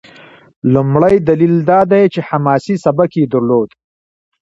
لومړی دلیل دا دی چې حماسي سبک یې درلود.